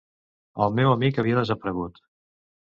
El meu amic havia desaparegut.